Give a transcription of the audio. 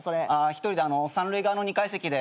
一人で三塁側の２階席で。